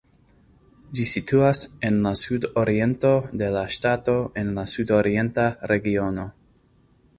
Ĝi situas en la sudoriento de la ŝtato en la Sudorienta regiono.